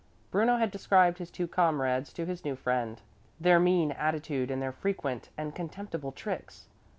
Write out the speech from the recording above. Bruno had described his two comrades to his new friend, their mean attitude and their frequent and contemptible tricks.